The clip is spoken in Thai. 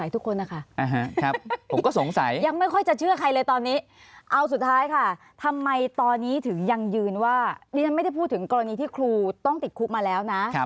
ตอนนี้ถึงยังยืนว่าดิฉันไม่ได้พูดถึงกรณีที่ครูต้องติดคลุปมาแล้วนะ